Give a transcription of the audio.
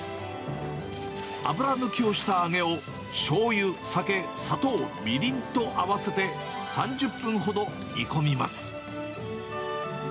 油抜きをした揚げをしょうゆ、酒、砂糖、みりんと合わせて、３０分ほど煮込みます。